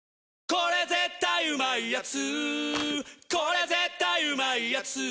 これ絶対うまいやつ」